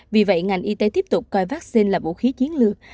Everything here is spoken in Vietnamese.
vì vậy ngành y tế tiếp tục coi vaccine là vũ khí chiến lược